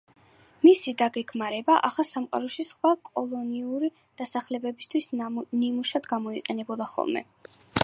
მისი დაგეგმარება ახალ სამყაროში სხვა კოლონიური დასახლებებისთვის ნიმუშად გამოიყენებოდა ხოლმე.